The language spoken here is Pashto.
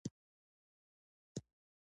په هوایي ډګر کې ښایي سره بېل شو.